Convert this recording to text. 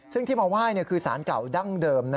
ซึ่งที่มาไหว้คือสารเก่าดั้งเดิม